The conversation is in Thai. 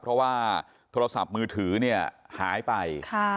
เพราะว่าโทรศัพท์มือถือเนี่ยหายไป